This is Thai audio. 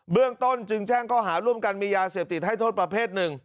เรื่องต้นจึงแจ้งข้อหาร่วมกันมียาเสพติดให้โทษประเภทหนึ่ง